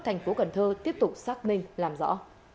thành phố cần thơ tiếp tục xác minh làm rõ